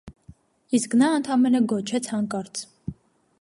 Իսկ նա ընդամենը գոչեց հանկարծ։